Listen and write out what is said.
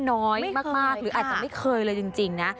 น้อยมากหรืออาจจะไม่เคยเลยจริงนะ